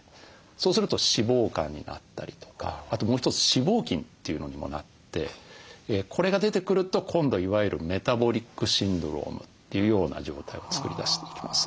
そうすると脂肪肝になったりとかあともう一つ脂肪筋というのにもなってこれが出てくると今度いわゆるメタボリックシンドロームというような状態を作り出していきます。